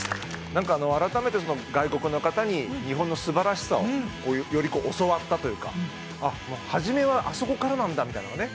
何か改めて外国の方に日本のすばらしさをより教わったというかあっ初めはあそこからなんだみたいなのがね